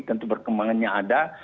tentu perkembangannya ada